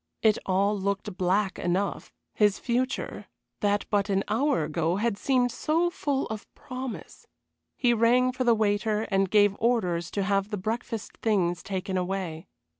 It all looked black enough his future, that but an hour ago had seemed so full of promise. He rang for the waiter and gave orders to have the breakfast things taken away.